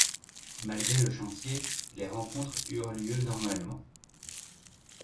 Malgré le chantier, les rencontres eurent lieu normalement.